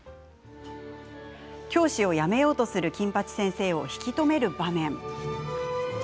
教師を辞めようとする金八先生を引き止める場面。